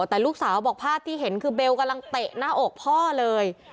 แต่ลูกสาวบอกภาพที่เห็นคือเบลกำลังเตะหน้าอกพ่อเลย